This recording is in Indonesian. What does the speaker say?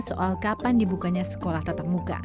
soal kapan dibukanya sekolah tatap muka